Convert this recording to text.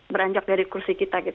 beranjak dari kursi kita